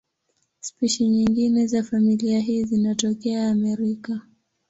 Spishi nyingine za familia hii zinatokea Amerika.